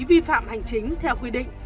vi phạm hành chính theo quy định